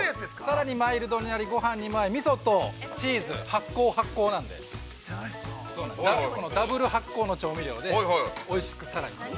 ◆さらにマイルドになりごはんにも合い、みそとチーズ発酵、発酵なんでダブル発酵の調味料でおいしくさらにする。